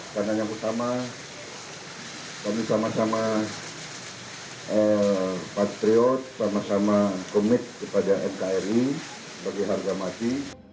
karena yang utama kami sama sama patriot sama sama komit kepada nkri bagi harga mati